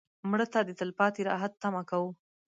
مړه ته د تلپاتې راحت تمه کوو